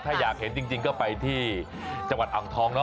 ถ้าอยากค้นเป็นก็ไปที่จังหวัดอังทองเนอะ